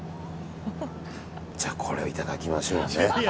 じゃあ、これいただきましょうね。